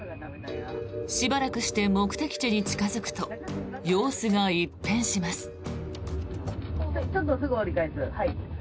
しばらくして目的地に近付くと様子が一変します。